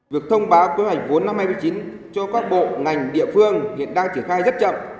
việc thông báo kế hoạch vốn năm hai nghìn một mươi chín cho các bộ ngành địa phương hiện đang triển khai rất chậm